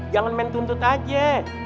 jangan main tuntut aja